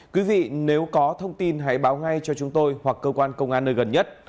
quý vị nếu có thông tin hãy báo ngay cho chúng tôi hoặc cơ quan công an nơi gần nhất